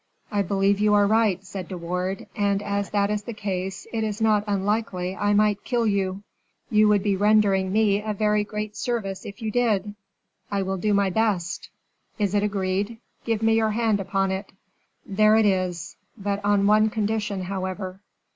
"I believe you are right," said De Wardes; "and as that is the case, it is not unlikely I might kill you." "You would be rendering me a very great service, if you did." "I will do my best." "Is it agreed? Give me your hand upon it." "There it is: but on one condition, however."